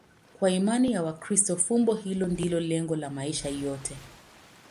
Kwa imani ya Wakristo, fumbo hilo ndilo lengo la maisha yote.